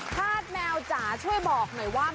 ธาตุแมวจ๋าช่วยบอกหน่อยว่า